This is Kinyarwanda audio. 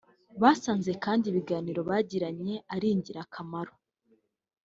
Basanze kandi ibiganiro bagiranye ari ingirakamaro